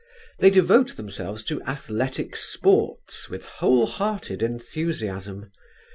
They devote themselves to athletic sports with whole hearted enthusiasm.